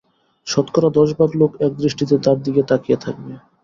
শতকরা দশ ভাগ লোক এক দৃষ্টিতে তাঁর দিকে তাকিয়ে থাকবে।